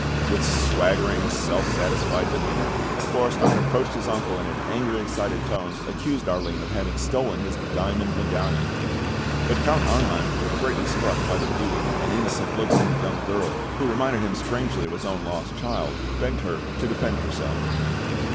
With swaggering, self satisfied demeanour, Florestein approached his uncle, and in angry, excited tones, accused Arline of having stolen his diamond medallion; but Count Arnheim, greatly struck with the beauty and innocent looks of the young girl, who reminded him strangely of his own lost child, begged her to defend herself.